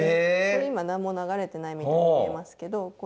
今何も流れてないみたいに見えますけど。